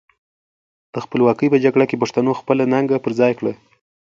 د خپلواکۍ په جګړه کې پښتنو خپله ننګه پر خای کړه.